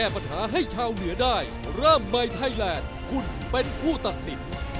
พูดตัวสิ